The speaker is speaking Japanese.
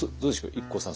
ＩＫＫＯさん。